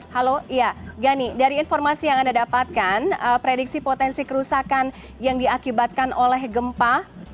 halo iya gani dari informasi yang anda dapatkan prediksi potensi kerusakan yang diakibatkan oleh gempa